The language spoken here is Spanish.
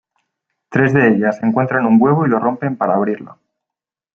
Tres de ellas encuentran un huevo y lo rompen para abrirlo.